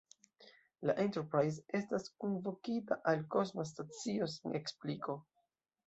La Enterprise estas kunvokita al kosma stacio sen ekspliko.